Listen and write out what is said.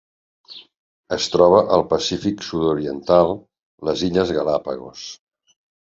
Es troba al Pacífic sud-oriental: les Illes Galápagos.